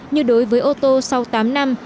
như đối với ô tô sau tám năm